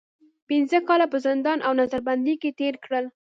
پنځه کاله په زندان او نظر بندۍ کې تېر کړل.